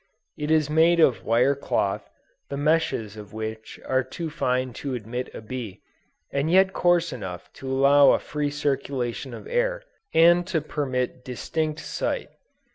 It is made of wire cloth, the meshes of which are too fine to admit a bee, and yet coarse enough to allow a free circulation of air, and to permit distinct sight.